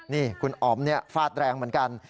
นี่คุณออมเนี่ยฟาดแรงเหมือนกัน